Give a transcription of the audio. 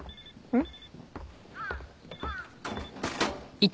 うん？